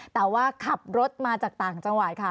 แต่ว่าขับรถมาจากต่างจังหวัดค่ะ